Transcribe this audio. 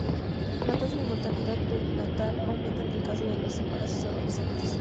La tasa de mortalidad perinatal aumenta en el caso de los embarazos adolescentes.